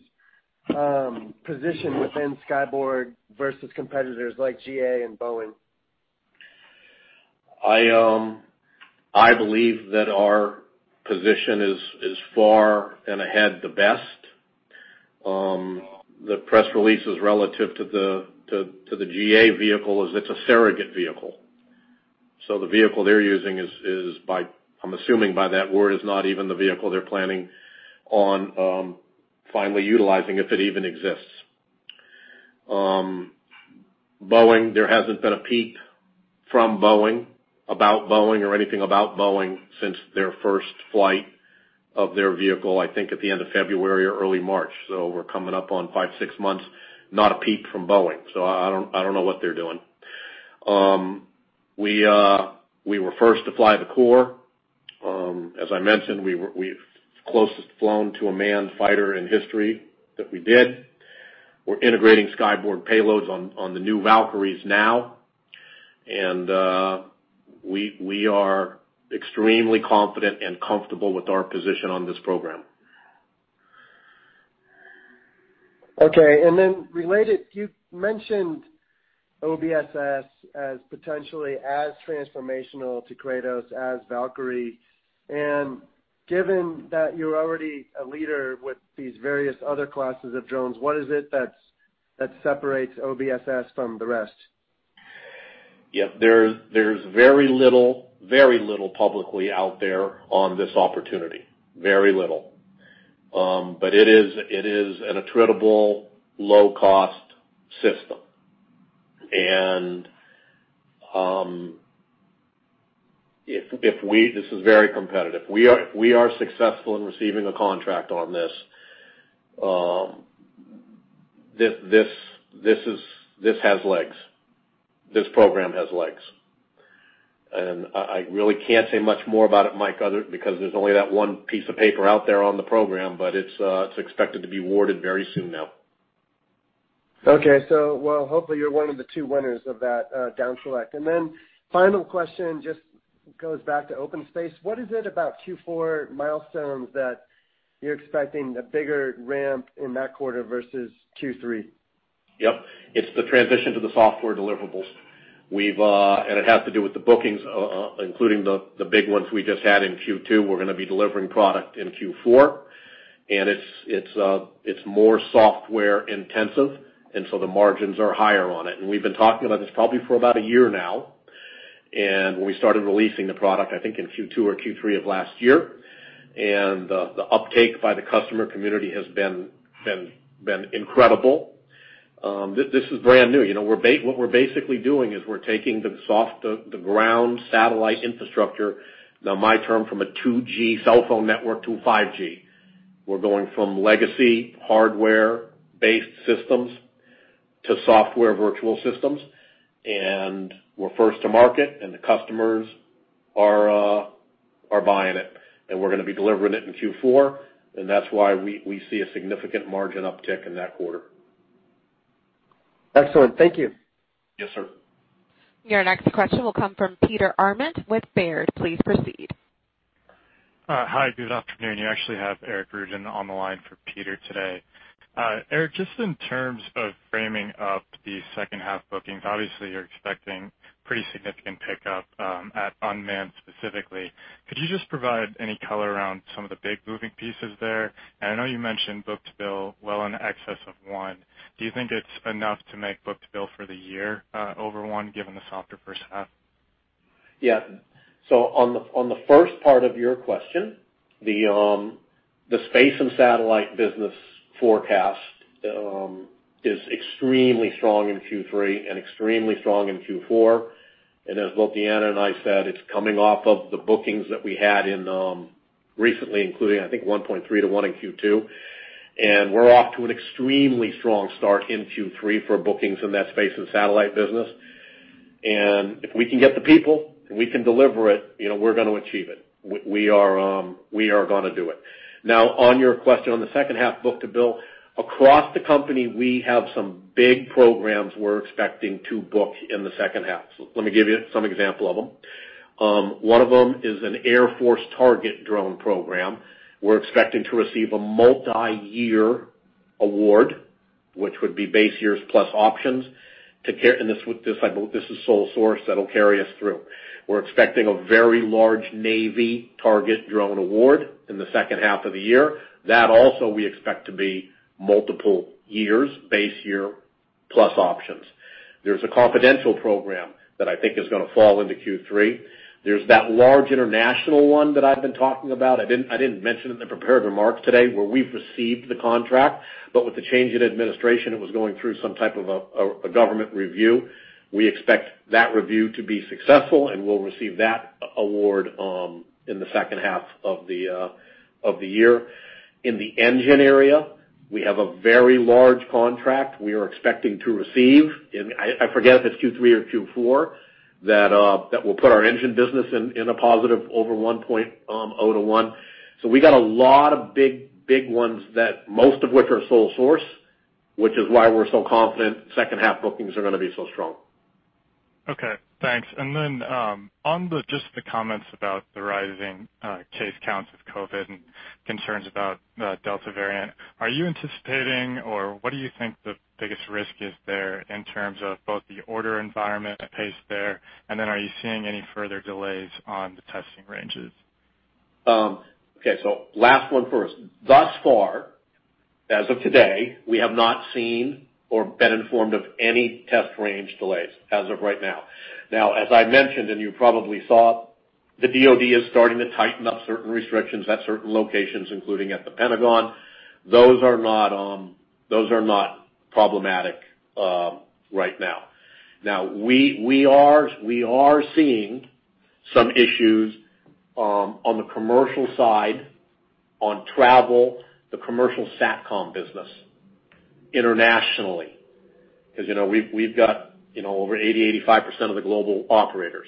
position within Skyborg versus competitors like GA and Boeing? I believe that our position is far and ahead the best. The press releases relative to the GA vehicle is it's a surrogate vehicle. The vehicle they're using is, I'm assuming by that word, is not even the vehicle they're planning on finally utilizing, if it even exists. Boeing, there hasn't been a peep from Boeing about Boeing or anything about Boeing since their first flight of their vehicle, I think at the end of February or early March. We're coming up on five, six months, not a peep from Boeing. I don't know what they're doing. We were first to fly the core as I mentioned, we've closest flown to a manned fighter in history that we did. We're integrating Skyborg payloads on the new Valkyries now, and we are extremely confident and comfortable with our position on this program. Okay. Related, you mentioned OBSS as potentially as transformational to Kratos as Valkyrie. Given that you're already a leader with these various other classes of drones, what is it that separates OBSS from the rest? Yeah. There's very little publicly out there on this opportunity. Very little. It is an attritable low-cost system. This is very competitive. We are successful in receiving a contract on this. This has legs. This program has legs. I really can't say much more about it, Mike, other, because there's only that one piece of paper out there on the program, but it's expected to be awarded very soon now. Okay. Well, hopefully you're one of the two winners of that down select. Final question just goes back to OpenSpace. What is it about Q4 milestones that you're expecting a bigger ramp in that quarter versus Q3? Yep. It's the transition to the software deliverables. It has to do with the bookings, including the big ones we just had in Q2. We're going to be delivering product in Q4, and it's more software intensive, and so the margins are higher on it. We've been talking about this probably for about a year now, and we started releasing the product, I think, in Q2 or Q3 of last year. The uptake by the customer community has been incredible. This is brand new. What we're basically doing is we're taking the ground satellite infrastructure. Now my term from a 2G cell phone network to 5G. We're going from legacy hardware-based systems to software virtual systems, and we're first to market, and the customers are buying it. We're gonna be delivering it in Q4, and that's why we see a significant margin uptick in that quarter. Excellent. Thank you. Yes, sir. Your next question will come from Peter Arment with Baird. Please proceed. Hi. Good afternoon. You actually have Eric Ruden on the line for Peter today. Eric, just in terms of framing up the second half bookings, obviously you're expecting pretty significant pickup, at unmanned specifically. Could you just provide any color around some of the big moving pieces there? I know you mentioned book-to-bill well in excess of one. Do you think it's enough to make book-to-bill for the year, over one, given the softer first half? Yeah. On the first part of your question, the space and satellite business forecast, is extremely strong in Q3 and extremely strong in Q4. As both Deanna and I said, it's coming off of the bookings that we had in, recently, including, I think, 1.3:1 in Q2. We're off to an extremely strong start in Q3 for bookings in that space and satellite business. If we can get the people and we can deliver it, we're gonna achieve it. We are gonna do it. Now, on your question on the second half book-to-bill, across the company, we have some big programs we're expecting to book in the second half. Let me give you some example of them. One of them is an Air Force target drone program. We're expecting to receive a multi-year award, which would be base years plus options to carry, and this is sole source that'll carry us through. We're expecting a very large Navy target drone award in the second half of the year. That also we expect to be multiple years, base year plus options. There's a confidential program that I think is gonna fall into Q3. There's that large international one that I've been talking about. I didn't mention it in the prepared remarks today where we've received the contract, but with the change in administration, it was going through some type of a government review. We expect that review to be successful, and we'll receive that award in the second half of the year. In the engine area, we have a very large contract we are expecting to receive in, I forget if it's Q3 or Q4, that will put our engine business in a positive over 1.0:1. We got a lot of big ones that most of which are sole source, which is why we're so confident second half bookings are gonna be so strong. Okay. Thanks. On the, just the comments about the rising case counts with COVID and concerns about the Delta variant, are you anticipating, or what do you think the biggest risk is there in terms of both the order environment pace there, and then are you seeing any further delays on the testing ranges? Okay. Last one first. Thus far, as of today, we have not seen or been informed of any test range delays as of right now. Now, as I mentioned, and you probably saw, the DoD is starting to tighten up certain restrictions at certain locations, including at the Pentagon. Those are not problematic right now. Now we are seeing some issues, on the commercial side on travel, the commercial SATCOM business. Internationally, because we've got over 80%, 85% of the global operators.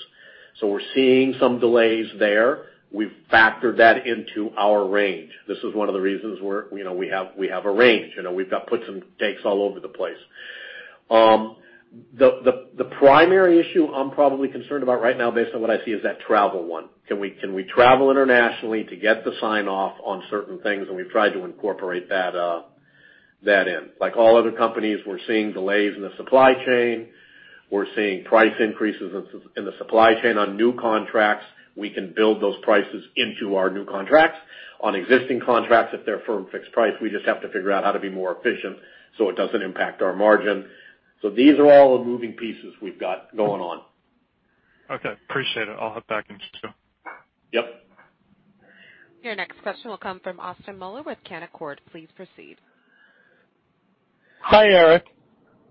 We're seeing some delays there. We've factored that into our range. This is one of the reasons we have a range. We've got puts and takes all over the place. The primary issue I'm probably concerned about right now, based on what I see, is that travel one. Can we travel internationally to get the sign-off on certain things? We've tried to incorporate that in. Like all other companies, we're seeing delays in the supply chain. We're seeing price increases in the supply chain on new contracts. We can build those prices into our new contracts. On existing contracts, if they're firm fixed price, we just have to figure out how to be more efficient so it doesn't impact our margin. These are all the moving pieces we've got going on. Okay, appreciate it. I'll hop back in short. Yep. Your next question will come from Austin Moeller with Canaccord. Please proceed. Hi, Eric.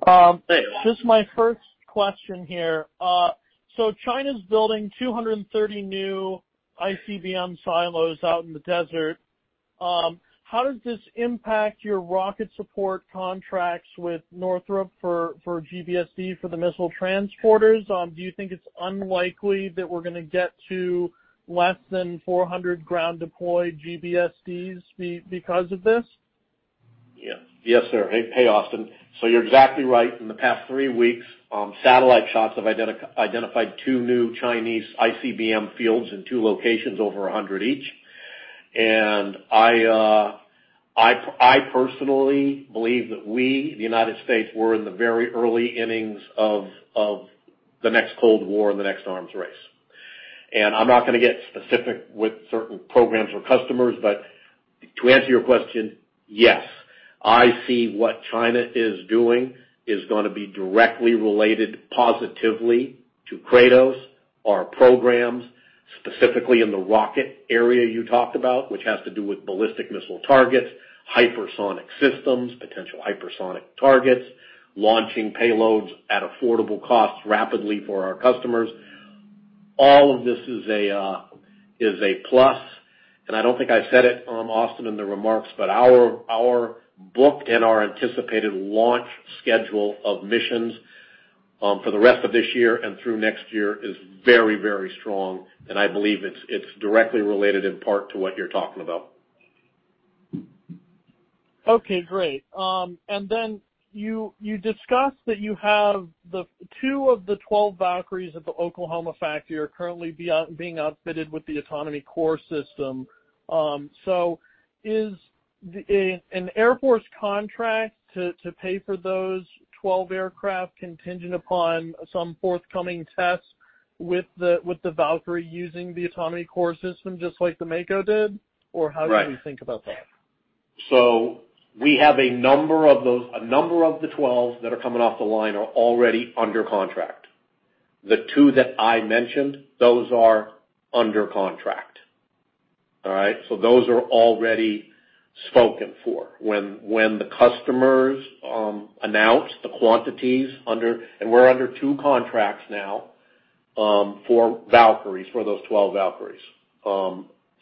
Hey. Just my first question here. China's building 230 new ICBM silos out in the desert. How does this impact your rocket support contracts with Northrop for GBSD for the missile transporters? Do you think it's unlikely that we're gonna get to less than 400 ground deployed GBSDs because of this? Yes, sir. Hey, Austin. You're exactly right. In the past three weeks, satellite shots have identified two new Chinese ICBM fields in two locations, over 100 each. I personally believe that we, the United States, we're in the very early innings of the next Cold War and the next arms race. I'm not gonna get specific with certain programs or customers, but to answer your question, yes. I see what China is doing is gonna be directly related positively to Kratos, our programs, specifically in the rocket area you talked about, which has to do with ballistic missile targets, hypersonic systems, potential hypersonic targets, launching payloads at affordable costs rapidly for our customers. All of this is a plus, and I don't think I said it, Austin, in the remarks, but our book and our anticipated launch schedule of missions for the rest of this year and through next year is very, very strong, and I believe it's directly related in part to what you're talking about. Okay, great. You discussed that you have two of the 12 Valkyries at the Oklahoma factory are currently being outfitted with the autonomy core system. Is an Air Force contract to pay for those 12 aircraft contingent upon some forthcoming tests with the Valkyrie using the autonomy core system, just like the Mako did? Right. How do you think about that? We have a number of the 12 that are coming off the line are already under contract. The two that I mentioned, those are under contract. All right? Those are already spoken for. When the customers announce the quantities under we're under two contracts now, for Valkyries, for those 12 Valkyries.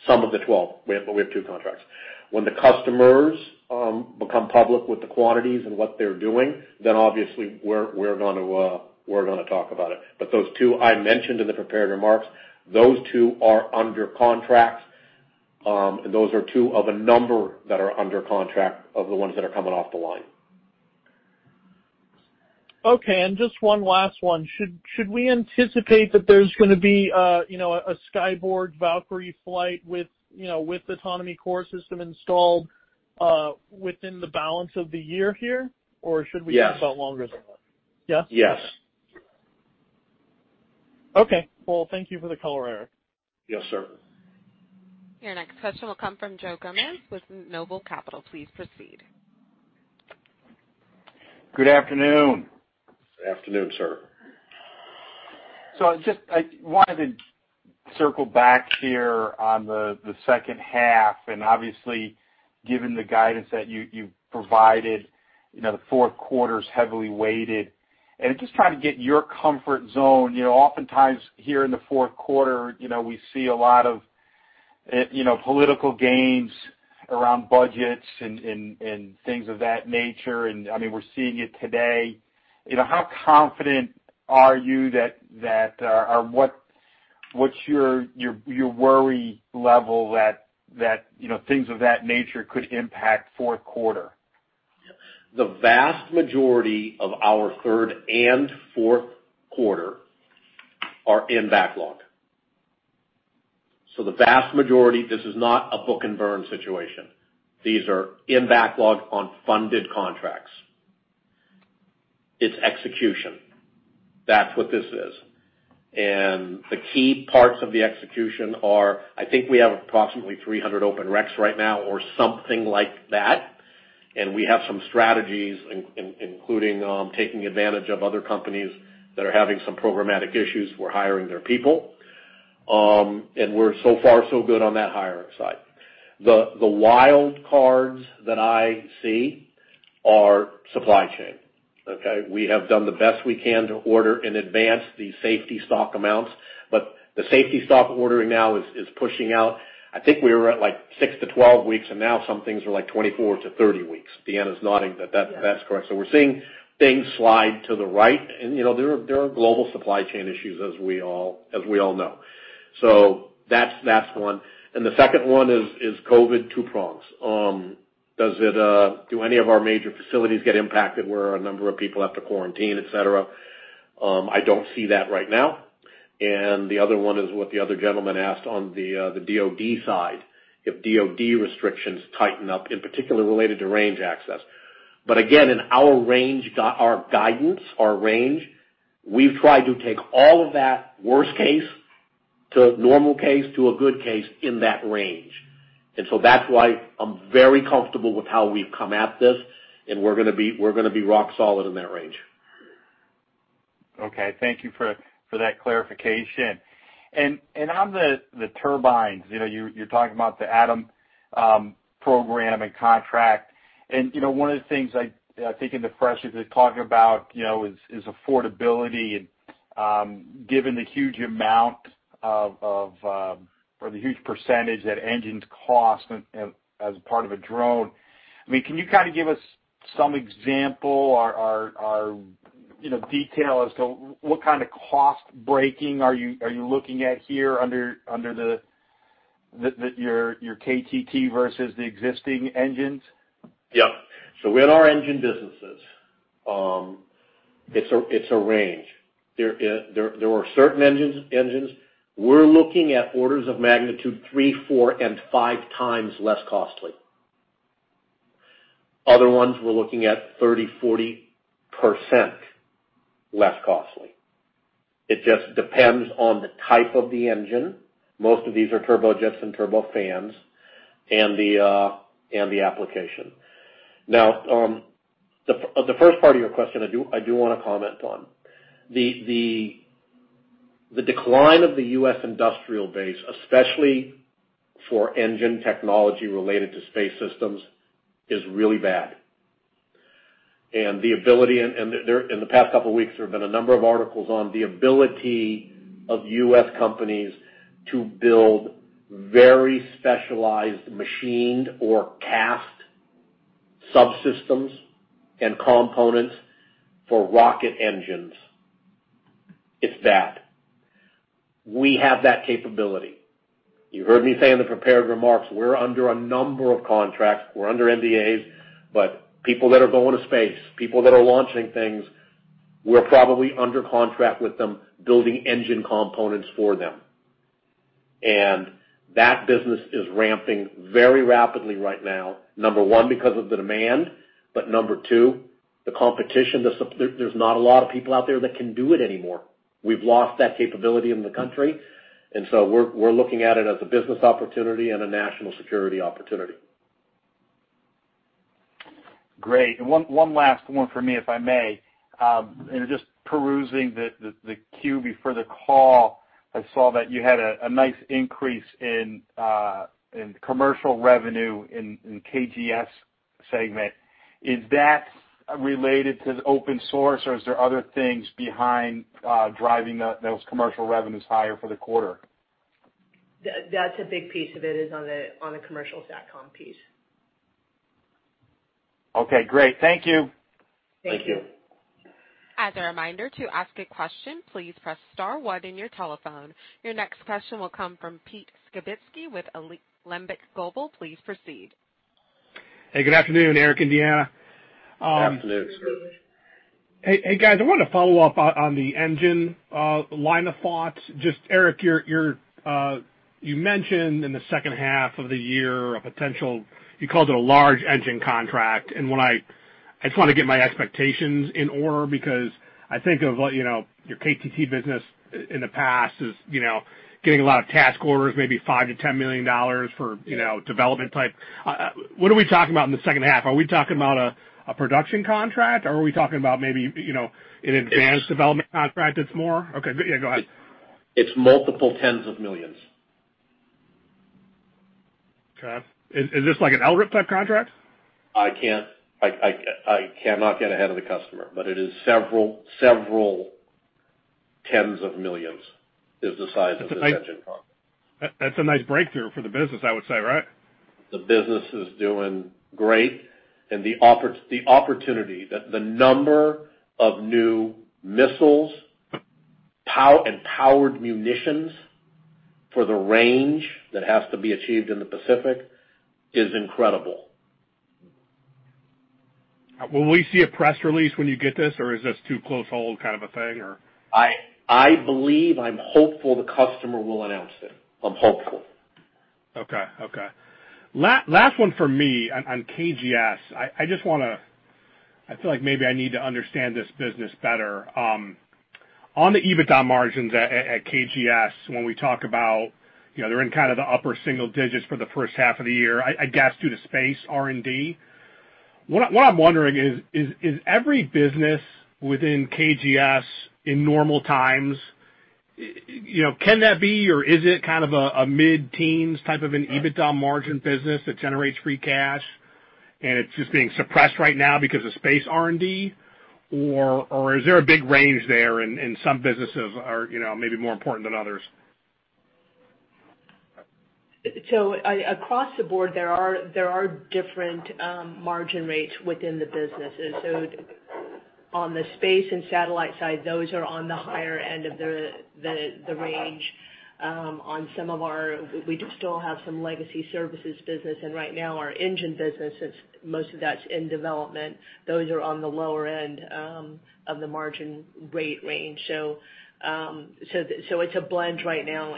Some of the 12, we have two contracts. When the customers become public with the quantities and what they're doing, obviously we're going to talk about it. Those two I mentioned in the prepared remarks, those two are under contract. Those are two of a number that are under contract of the ones that are coming off the line. Okay, just one last one. Should we anticipate that there's gonna be a Skyborg Valkyrie flight with autonomy core system installed within the balance of the year here? Yes. Should we think about longer than that? Yeah? Yes. Okay. Well, thank you for the color, Eric. Yes, sir. Your next question will come from Joe Gomes with Noble Capital. Please proceed. Good afternoon. Good afternoon, sir. I wanted to circle back here on the second half, Obviously, given the guidance that you've provided, the fourth quarter's heavily weighted. Just trying to get your comfort zone. Oftentimes here in the fourth quarter, we see a lot of political games around budgets and things of that nature. I mean, we're seeing it today. How confident are you that, or what's your worry level that things of that nature could impact fourth quarter? The vast majority of our third and fourth quarter are in backlog. The vast majority, this is not a book and burn situation. These are in backlog on funded contracts. It's execution. That's what this is. The key parts of the execution are, I think we have approximately 300 open recs right now or something like that. We have some strategies in including taking advantage of other companies that are having some programmatic issues. We're hiring their people. We're so far so good on that hiring side. The wild cards that I see are supply chain. Okay. We have done the best we can to order in advance the safety stock amounts, but the safety stock ordering now is pushing out. I think we were at 6-12 weeks, and now some things are 24-30 weeks. Deanna's nodding that that's correct. Yes. We're seeing things slide to the right, and there are global supply chain issues as we all know. That's one. The second one is COVID, two prongs. Do any of our major facilities get impacted where a number of people have to quarantine, et cetera? I don't see that right now. The other one is what the other gentleman asked on the DoD side, if DoD restrictions tighten up, in particular related to range access. Again, in our range, our guidance, our range, we've tried to take all of that worst case to normal case to a good case in that range. That's why I'm very comfortable with how we've come at this, and we're going to be rock solid in that range. Okay. Thank you for that clarification. On the turbines, you are talking about the ATTAM program and contract, and one of the things I think in the Air Force is talking about is affordability and, given the huge percentage that engines cost as a part of a drone, can you give us some example or detail as to what kind of cost breaking are you looking at here under your KTT versus the existing engines? Yep. In our engine businesses, it's a range. There are certain engines we're looking at orders of magnitude three, four, and five times less costly. Other ones we're looking at 30%, 40% less costly. It just depends on the type of the engine. Most of these are turbojets and turbofans, and the application. The first part of your question, I do want to comment on. The decline of the U.S. industrial base, especially for engine technology related to space systems, is really bad. In the past couple of weeks, there have been a number of articles on the ability of U.S. companies to build very specialized machined or cast subsystems and components for rocket engines. It's bad. We have that capability. You heard me say in the prepared remarks, we're under a number of contracts. We're under NDAs, but people that are going to space, people that are launching things, we're probably under contract with them building engine components for them. That business is ramping very rapidly right now, number one, because of the demand, but number two, the competition. There's not a lot of people out there that can do it anymore. We've lost that capability in the country, and so we're looking at it as a business opportunity and a national security opportunity. Great. One last one for me, if I may. In just perusing the queue before the call, I saw that you had a nice increase in commercial revenue in KGS segment. Is that related to the OpenSpace, or is there other things behind driving those commercial revenues higher for the quarter? That's a big piece of it, is on the commercial SATCOM piece. Okay, great. Thank you. Thank you. Thank you. As a reminder, to ask a question, please press star one in your telephone. Your next question will come from Pete Skibitski with Alembic Global. Please proceed. Hey, good afternoon, Eric and Deanna. Afternoon. Good afternoon. Hey, guys, I wanted to follow-up on the engine line of thought. Eric, you mentioned in the second half of the year, a potential, you called it a large engine contract. I just want to get my expectations in order because I think of your KTT business in the past as getting a lot of task orders, maybe $5 million-$10 million for development type. What are we talking about in the second half? Are we talking about a production contract, or are we talking about maybe an advanced development contract that's more? Okay. Yeah, go ahead. It's multiple tens of millions. Okay. Is this like an LRIP type contract? I cannot get ahead of the customer, but it is several tens of millions, is the size of this engine contract. That's a nice breakthrough for the business, I would say, right? The business is doing great, and the opportunity, the number of new missiles and powered munitions for the range that has to be achieved in the Pacific is incredible. Will we see a press release when you get this, or is this too close-hold kind of a thing, or? I believe, I'm hopeful the customer will announce it. I'm hopeful. Okay. Last one from me on KGS. I feel like maybe I need to understand this business better. On the EBITDA margins at KGS, when we talk about they're in kind of the upper single digits for the first half of the year, I guess due to space R&D. What I'm wondering is every business within KGS in normal times, or is it kind of a mid-teens type of an EBITDA margin business that generates free cash and it's just being suppressed right now because of space R&D? Is there a big range there and some businesses are maybe more important than others? Across the board, there are different margin rates within the businesses. On the space and satellite side, those are on the higher end of the range. We still have some legacy services business, and right now, our engine business, most of that's in development. Those are on the lower end of the margin rate range. It's a blend right now.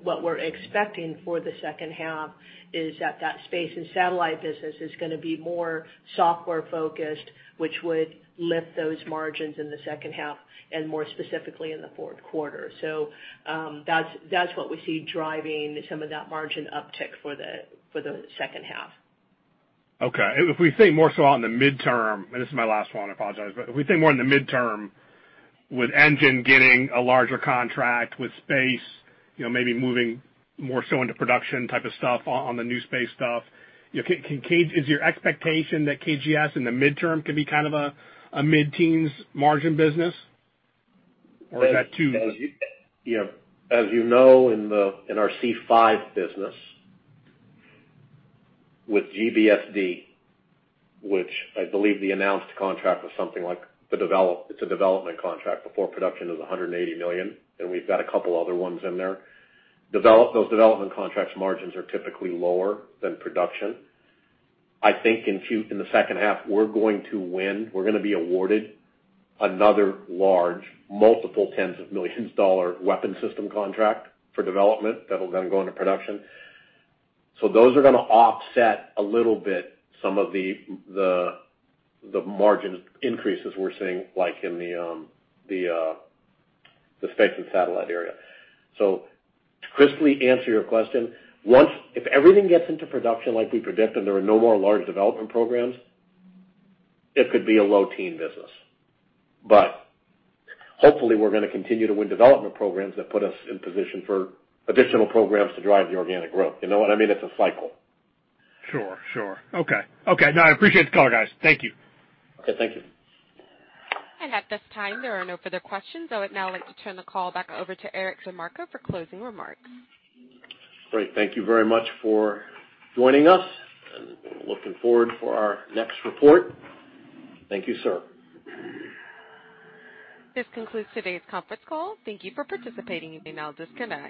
What we're expecting for the second half is that that space and satellite business is going to be more software-focused, which would lift those margins in the second half and more specifically in the fourth quarter. That's what we see driving some of that margin uptick for the second half. Okay. If we think more so on the midterm, and this is my last one, I apologize. If we think more in the midterm with engine getting a larger contract with space, maybe moving more so into production type of stuff on the new space stuff, is your expectation that KGS in the midterm can be kind of a mid-teens margin business? As you know, in our C5ISR business, with GBSD, which I believe the announced contract was something like, it's a development contract before production is $180 million, and we've got a couple other ones in there. Those development contracts margins are typically lower than production. I think in the second half, we're going to win, we're going to be awarded another large, multiple tens of millions dollar weapon system contract for development that'll then go into production. Those are going to offset a little bit some of the margin increases we're seeing, like in the space and satellite area. To crisply answer your question, if everything gets into production like we predict, and there are no more large development programs, it could be a low-teen business. Hopefully we're going to continue to win development programs that put us in position for additional programs to drive the organic growth. You know what I mean? It's a cycle. Sure. Okay. No, I appreciate the call, guys. Thank you. Okay, thank you. At this time, there are no further questions. I would now like to turn the call back over to Eric DeMarco for closing remarks. Great. Thank you very much for joining us, and looking forward for our next report. Thank you, sir. This concludes today's conference call. Thank you for participating. You may now disconnect.